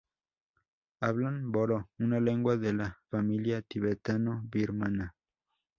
Hablan boro, una lengua de la familia tibetano-birmana.